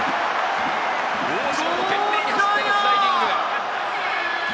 大城、懸命に走ってスライディング。